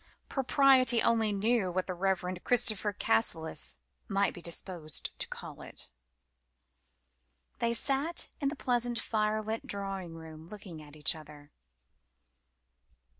Propriety only knew what the Reverend Christopher Cassilis might be disposed to call it. They sat in the pleasant fire lit drawing room looking at each other.